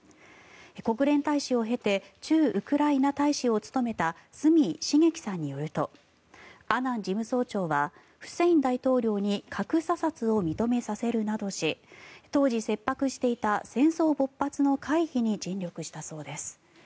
国連大使を経て駐ウクライナ大使を務めた角茂樹さんによるとアナン事務総長はフセイン大統領に核査察を認めさせるなどし当時、切迫していた戦争勃発の回避に尽力したそうです。